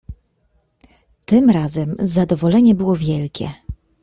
"Tym razem zadowolenie było wielkie."